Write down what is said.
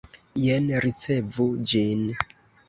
Jen ricevu ĝin!